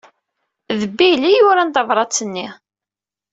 D Bill ay yuran tabṛat-nni.